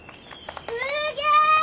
すげえ！